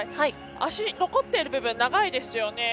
足、残っている部分が長いですよね。